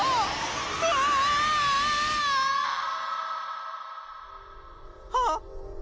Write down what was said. うわ！はっ！